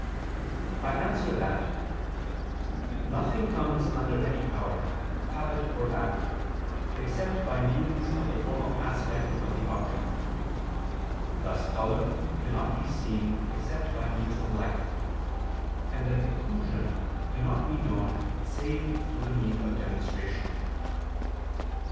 I answer that, Nothing comes under any power, habit or act, except by means of the formal aspect of the object: thus color cannot be seen except by means of light, and a conclusion cannot be known save through the mean of demonstration.